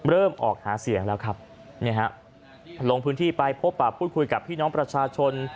เริ่มออกหาเสียงแล้วครับลงพื้นที่ไปพบปากพูดคุยกับพี่น้องประชาชน